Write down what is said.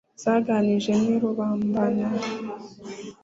zaganije n' i rubambantare